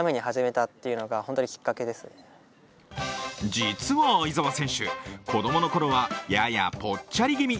実は相澤選手、子供のころはややぽっちゃり気味。